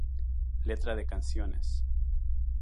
Letra de canciones